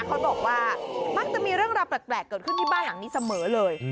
เขาบอกว่ามักจะมีเรื่องราวแปลกเกิดขึ้นที่บ้านหลังนี้เสมอเลย